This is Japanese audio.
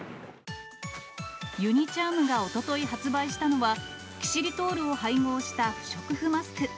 ユニ・チャームがおととい発売したのは、キシリトールを配合した不織布マスク。